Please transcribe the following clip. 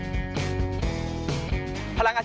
มีอย่างไรบ้างครับ